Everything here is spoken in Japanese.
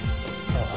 ああ。